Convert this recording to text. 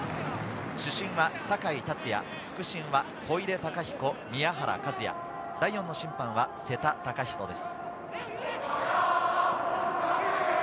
主審は酒井達矢、副審は小出貴彦、宮原一也、第４の審判は瀬田貴仁です。